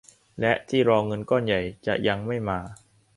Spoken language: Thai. และที่รอเงินก้อนใหญ่จะยังไม่มา